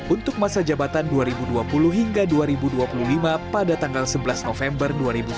untuk masa jabatan dua ribu dua puluh hingga dua ribu dua puluh lima pada tanggal sebelas november dua ribu sembilan belas